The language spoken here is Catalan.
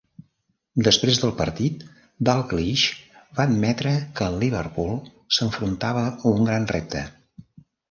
Després del partit, Dalglish va admetre que el Liverpool s'enfrontava a un "gran repte".